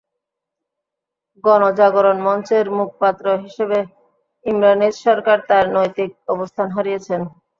গণজাগরণ মঞ্চের মুখপাত্র হিসেবে ইমরান এইচ সরকার তাঁর নৈতিক অবস্থান হারিয়েছেন।